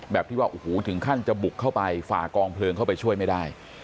ที่ว่าโอ้โหถึงขั้นจะบุกเข้าไปฝ่ากองเพลิงเข้าไปช่วยไม่ได้